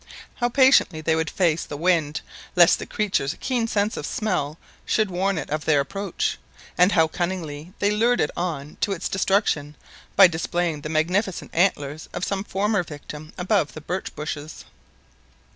How patiently they would face the wind lest the creature's keen sense of smell should warn it of their approach! and how cunningly they lured it on to its destruction by displaying the magnificent antlers of some former victim above the birch bushes